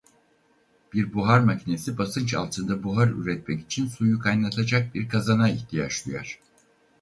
Bir buhar makinesi basınç altında buhar üretmek için suyu kaynatacak bir kazana ihtiyaç duyar.